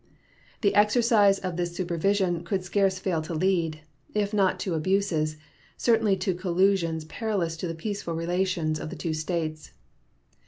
The exercise of this supervision could scarce fail to lead, if not to abuses, certainly to collisions perilous to the peaceful relations of the two States.